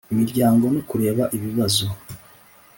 imiryango no kureba ibibazo